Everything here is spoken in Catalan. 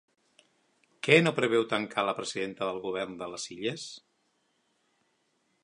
Què no preveu tancar la presidenta del govern de les Illes?